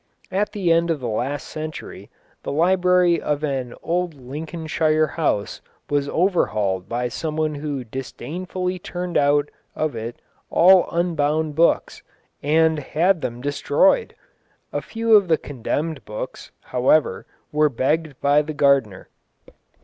At the end of the last century the library of an old Lincolnshire house was overhauled by someone who disdainfully turned out of it all unbound books, and had them destroyed. A few of the condemned books, however, were begged by the gardener.